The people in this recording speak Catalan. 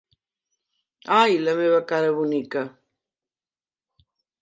Ai, la meva cara bonica!